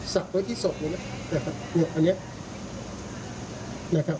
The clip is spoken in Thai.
สักไว้ที่ศพ